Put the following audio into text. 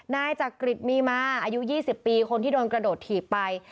นายจักริตมีมาอายุ๒๐ปีคนที่โดนกระโดดถีบไป